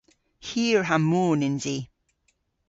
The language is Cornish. Hir ha moon yns i.